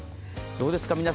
どうですか？